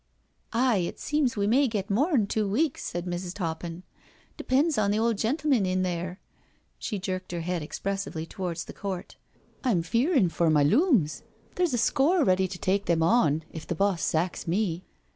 " Aye, it seems we may get more'n two weeks," said Mrs. Toppin; " depends on the old gentleman in there/* She jerked her head expressively towards the court. " I'm fearin' for my looms, there's a score ready to take them on, if the boss sacks me."